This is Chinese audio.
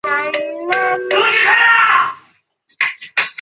殿试登进士第三甲第一百六十六名。